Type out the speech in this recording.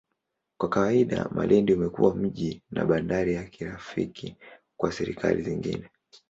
Kwa kawaida, Malindi umekuwa mji na bandari ya kirafiki kwa serikali zingine.